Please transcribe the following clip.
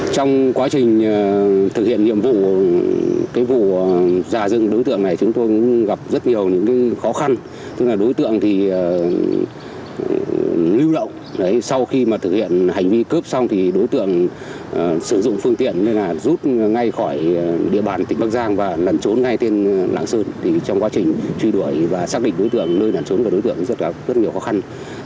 trong quá trình truy đuổi và xác định đối tượng nơi nằn trốn của đối tượng rất nhiều khó khăn